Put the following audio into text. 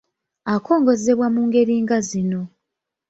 Akongozzebwa mu ngeri nga zino